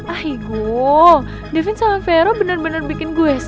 aigo davin sama vero benar benar bikin gue haus